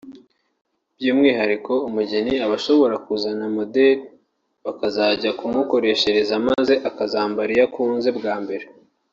By'umwihariko umugeni aba ashobora kuzana modele bakazajya kumukoreshereza maze akazambara iyo kanzu bwa mbere